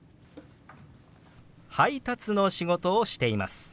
「配達の仕事をしています」。